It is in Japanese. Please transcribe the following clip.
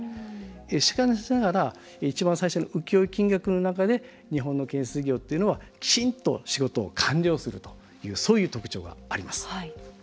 しかしながら、一番最初に請負金額の中で日本の建設業というのはきちんと仕事を完了するという特徴があります。